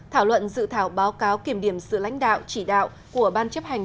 thảo luận dự thảo báo cáo kiểm điểm sự lãnh đạo chỉ đạo của ban chấp hành